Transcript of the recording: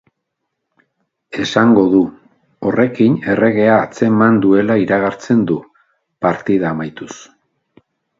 Esango du, horrekin erregea atzeman duela iragartzen du, partida amaituz.